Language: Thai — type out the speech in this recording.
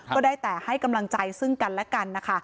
ก็ได้แต่ให้กำลังใจซึ่งกันและกันนะคะ